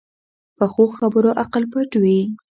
پخو خبرو عقل پټ وي